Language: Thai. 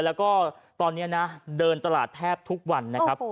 แล้วก็ตอนนี้นะเดินตลาดแทบทุกวันนะครับ